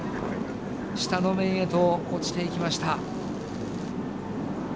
下の面へと落ちていきました。